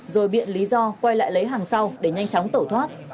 rồi biện lý do quay lại lấy hàng sau để nhanh chóng tẩu thoát